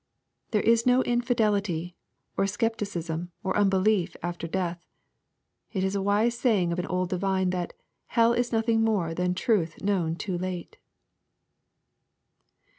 There is no infidelity, or scepticism, or unbelief after death. It is a wise say ing of an old divine, that "hell is nothing more than truth known too late."